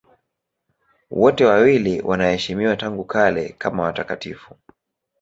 Wote wawili wanaheshimiwa tangu kale kama watakatifu.